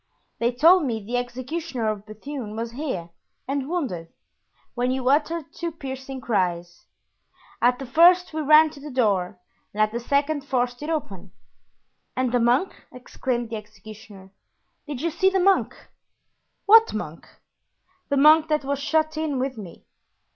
They told me the executioner of Bethune was here and wounded, when you uttered two piercing cries. At the first we ran to the door and at the second forced it open." "And the monk?" exclaimed the executioner, "did you see the monk?" "What monk?" "The monk that was shut in with me."